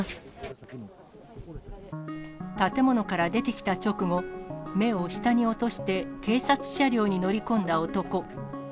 建物から出てきた直後、目を下に落として、警察車両に乗り込んだ男。